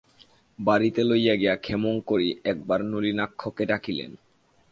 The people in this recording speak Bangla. বাড়িতে লইয়া গিয়া ক্ষেমংকরী একবার নলিনাক্ষকে ডাকিলেন।